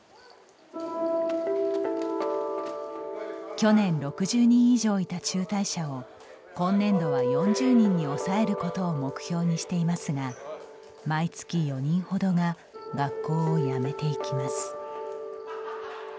去年６０人以上いた中退者を今年度は４０人に抑えることを目標にしていますが毎月４人ほどが学校をやめていきます。